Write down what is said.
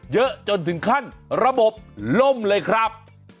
เยอะจนถึงขั้นระบบล่มเลยครับ